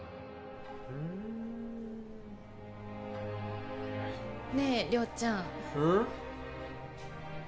うんねえ亮ちゃんうん？